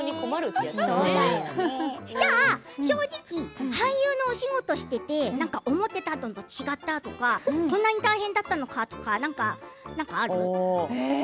正直、俳優のお仕事をしていて何か思っていたのと違ったとかこんなに大変だったのかとか何かある？